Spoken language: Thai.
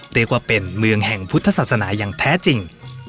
เรียกว่าเป็นเมืองแห่งพุทธศาสนาอย่างแท้จริง